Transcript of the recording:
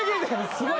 すごい。